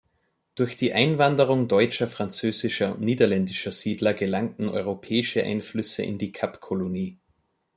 Durch die Einwanderung deutscher, französischer und niederländischer Siedler gelangten europäische Einflüsse in die Kapkolonie.